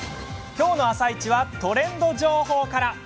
きょうの「あさイチ」はトレンド情報から。